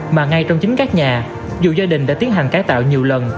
mà ngay trong chính các nhà dù gia đình đã tiến hành cải tạo nhiều lần